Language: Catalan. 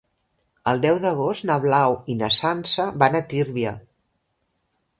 El deu d'agost na Blau i na Sança van a Tírvia.